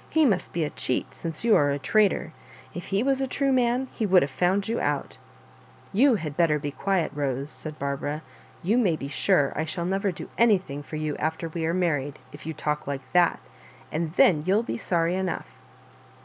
" He must be a cheat, since you area traitor. If he was a true man he would have found you out" You had better be quiet, Bose," said Bar bara ;" you may be sure I shall never do any thing for you after we are married, if you talk like that ; and then you'll be sorry enough."